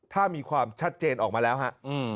ถ้ามีความชัดเจนออกมาแล้วฮะ